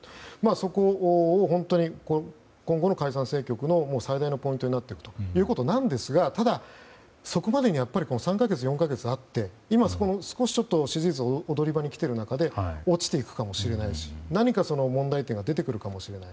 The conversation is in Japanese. そこを本当に今後の解散・総選挙の最大のポイントになっていくということなんですがただ、そこまでに３か月、４か月あって今、支持率が踊り場に来ている中で落ちていくかもしれないし何か問題点が出てくるかもしれない。